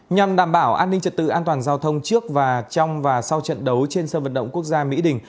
nhằm đảm bảo an ninh trật tự an toàn giao thông trước và trong và sau trận đấu trên sân vận động quốc gia mỹ đình